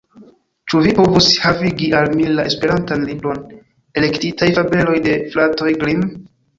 Ĉu vi povus havigi al mi la esperantan libron »Elektitaj fabeloj de fratoj Grimm«?